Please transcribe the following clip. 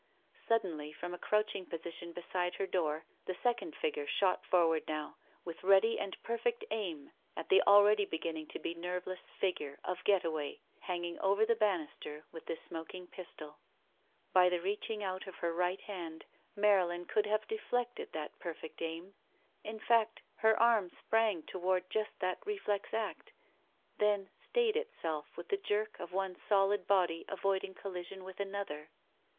Suddenly, from a crouching position beside her\ 138 ' V THE VERTICAL CITY door, the second figure shot forward now, with ready and perfect aim at the aheady beginning to be nervdess figure of Getaway hanging over the banister with the smoking pistol. By the reaching out of her right hand Marylin could have deflected that perfect aim. In fact, her arm sprang toward just that reflex act, then stayed itself with the jerk of one solid body avoiding col lision with another.